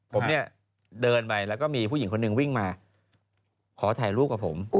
ผมเนี่ยเดินไปแล้วก็มีผู้หญิงคนหนึ่งวิ่งมาขอถ่ายรูปกับผม